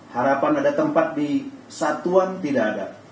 harapan ada tempat di satuan tidak ada